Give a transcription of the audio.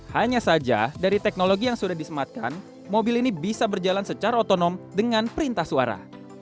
hanya saja dari teknologi yang sudah disematkan mobil ini bisa berjalan secara otonom dengan perintah suara